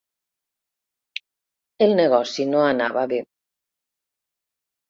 El negoci no anava bé.